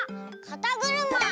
「かたぐるま」！